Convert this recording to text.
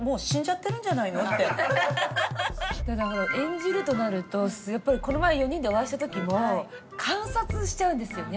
演じるとなるとやっぱりこの前４人でお会いした時も観察しちゃうんですよね。